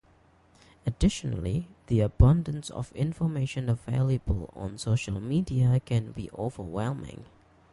Additionally, the abundance of information available on social media can be overwhelming.